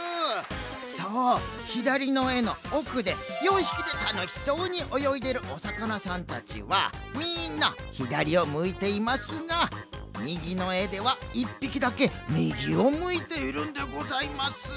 そうひだりのえのおくで４ひきでたのしそうにおよいでるおさかなさんたちはみんなひだりをむいていますがみぎのえでは１ぴきだけみぎをむいているんでございます。